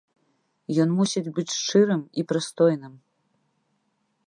Ён мусіць быць шчырым і прыстойным.